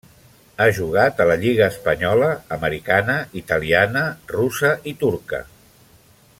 Ha jugat a la lliga espanyola, americana, italiana, russa i turca.